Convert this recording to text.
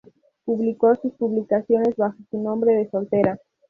Publicó sus publicaciones bajo su nombre de soltera.